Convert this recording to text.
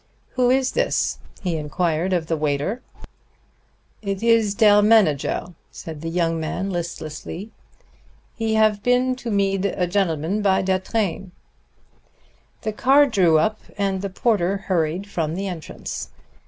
"Who is this?" he inquired of the waiter. "Id is der manager," said the young man listlessly. "He have been to meed a gendleman by der train." The car drew up and the porter hurried from the entrance.